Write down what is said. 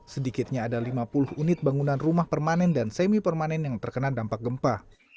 sedikitnya ada lima puluh unit bangunan rumah permanen dan semi permanen yang terkena dampak gempa